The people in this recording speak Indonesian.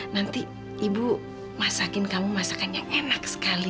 nanti ibu masakin kamu masakan yang enak sekali